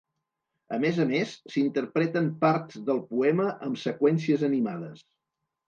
A més a més, s'interpreten parts del poema amb seqüències animades.